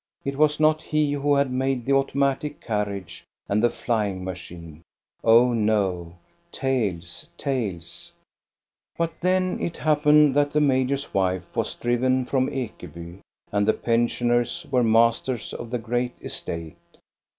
It was not he who had made the automatic carriage and the flying machine. Oh, no, — tales, tales ! But then it happened that the major's wife was driven from Ekeby, and the pensioners were masters of the great estate.